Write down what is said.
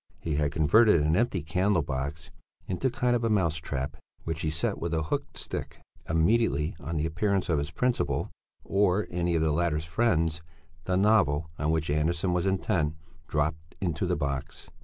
He had converted an empty candle box into a kind of mouse trap, which he set with a hooked stick; immediately on the appearance of his principal, or any of the latter's friends, the novel on which Andersson was intent dropped into the box.